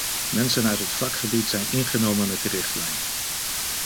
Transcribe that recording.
Mensen uit het vakgebied zijn ingenomen met de richtlijn.